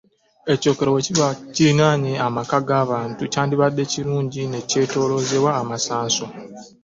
Ekyokero bwe kiba kiriraanye amaka g’abantu, kyandibadde kirungi ne kyetooloozebwa amasanso.